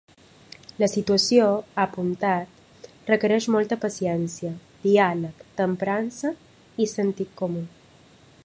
La situació, ha apuntat, requerix “molta paciència, diàleg, temprança i sentit comú”.